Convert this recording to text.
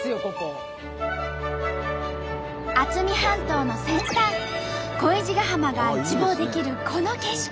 渥美半島の先端恋路ヶ浜が一望できるこの景色。